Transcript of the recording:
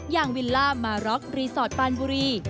อย่างวิลล่ามาร็อครีสอร์ตปานบุรี